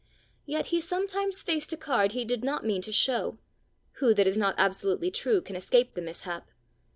Yet he sometimes faced a card he did not mean to show: who that is not absolutely true can escape the mishap!